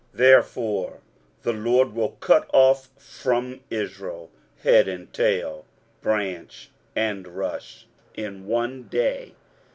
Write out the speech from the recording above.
23:009:014 Therefore the LORD will cut off from Israel head and tail, branch and rush, in one day.